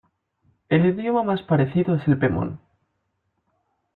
El idioma más parecido es el pemón.